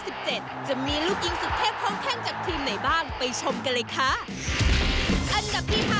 จะมีลูกยิงสุดเทพค่อนข้างจากทีมไหนบ้างไปชมกันเลยค่ะ